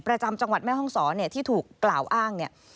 ประจำจังหวัดแม่ห้องสอนที่ถูกกล่าวอ้าง